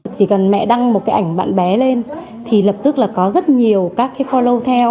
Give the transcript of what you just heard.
chỉ cần mẹ đăng một cái ảnh bạn bè lên thì lập tức là có rất nhiều các cái folot theo